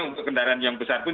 untuk kendaraan yang besar pun